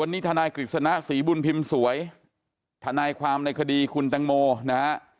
วันนี้ทนายกฤษณะศรีบุญพิมพ์สวยทนายความในคดีคุณตังโมนะฮะ